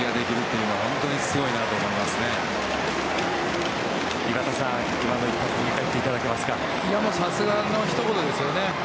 いや、さすがのひと言ですね。